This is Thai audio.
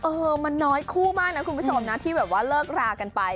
เออมันน้อยคู่มากนะคุณผู้ชมนะที่แบบว่าเลิกรากันไป